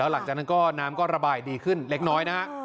หลังจากนั้นก็น้ำก็ระบายดีขึ้นเล็กน้อยนะฮะ